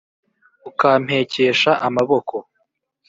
ukampekesha amaboko